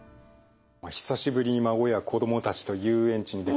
久しぶりに孫や子供たちと遊園地に出かける。